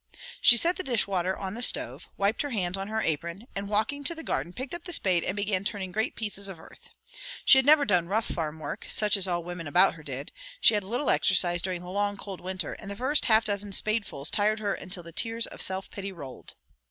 She set the dish water on the stove, wiped her hands on her apron, and walking to the garden, picked up the spade and began turning great pieces of earth. She had never done rough farm work, such as women all about her did; she had little exercise during the long, cold winter, and the first half dozen spadefuls tired her until the tears of self pity rolled.